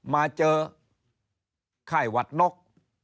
มาเจอค่ายหวัดนก